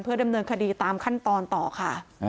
ดำเนินคดีตามขั้นตอนต่อค่ะ